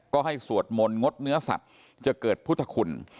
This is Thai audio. ก็ให้สวดมนต์งดเนื้อสัตว์จะเกิดพุทธคุณ